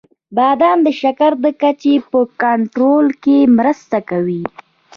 • بادام د شکر د کچې په کنټرول کې مرسته کوي.